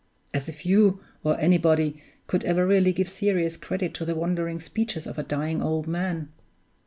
As if you, or anybody, could ever really give serious credit to the wandering speeches of a dying old man!